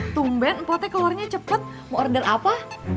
tumben empok teh keluarnya cepet mau order apa